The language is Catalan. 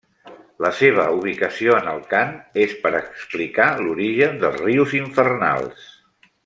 La seva ubicació en el cant és per explicar l'origen dels rius infernals.